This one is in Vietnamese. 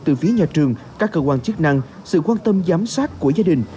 từ phía nhà trường các cơ quan chức năng sự quan tâm giám sát của gia đình